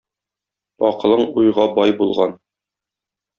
Акылың уйга бай булган.